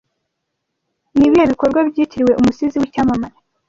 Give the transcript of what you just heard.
Ni ibihe bikorwa byitiriwe umusizi w'icyamamare